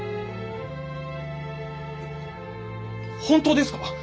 本当ですか？